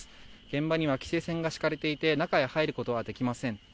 現場には規制線が敷かれていて中に入ることはできません。